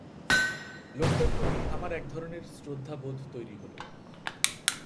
লোকটির প্রতি আমার একধরনের শ্রদ্ধাবোধ তৈরি হল।